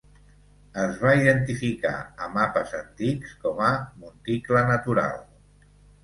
Es va identificar a mapes antics com a "Monticle natural".